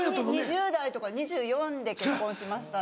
２０代とか２４で結婚しましたんで。